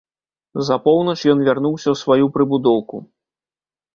За поўнач ён вярнуўся ў сваю прыбудоўку.